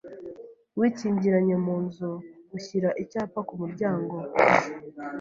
wikingiranye mu nzu ushyira icyapa ku muryango